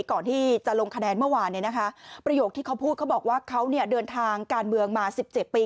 ก่อนที่จะลงคะแนนเมื่อวานประโยคที่เขาพูดเขาบอกว่าเขาเดินทางการเมืองมา๑๗ปี